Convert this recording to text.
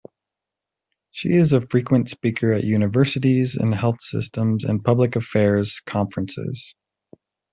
She is a frequent speaker at universities and health systems and public affairs conferences.